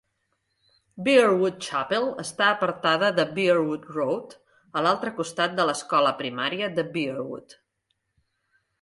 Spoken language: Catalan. Bearwood Chapel està apartada de Bearwood Road, a l'altre costat de l'escola primària de Bearwood.